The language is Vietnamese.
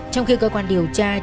trong khi cơ quan điều tra